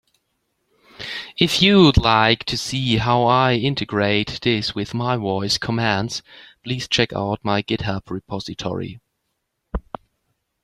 If you'd like to see how I integrate this with my voice commands, please check out my GitHub repository.